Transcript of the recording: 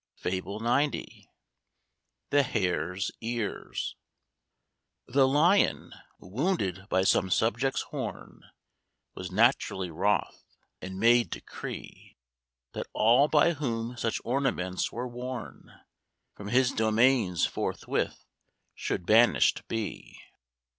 FABLE XC. THE HARE'S EARS. The Lion, wounded by some subject's horn, Was naturally wroth, and made decree That all by whom such ornaments were worn From his domains forthwith should banished be.